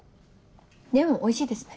でもおいしいですね。